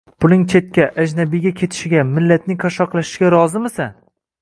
— Puling chetga — ajnabiyga ketishiga, millatning qashshoqlashishiga rozimisan?